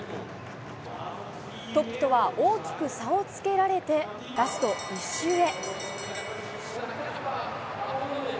トップとは大きく差をつけられて、ラスト１周へ。